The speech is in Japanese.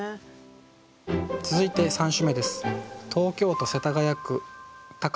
続いて３首目です。